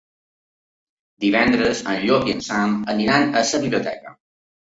Divendres en Llop i en Sam iran a la biblioteca.